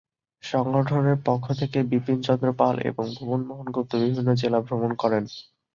সংগঠনের পক্ষ থেকে বিপিনচন্দ্র পাল এবং ভুবনমোহন গুপ্ত বিভিন্ন জেলা ভ্রমণ করেন।